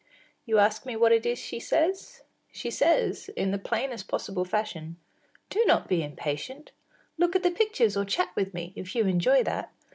You ask me what it is she says? She says, in the plainest possible fashion: “Do not be impatient; look at the pictures or chat with me, if you enjoy that.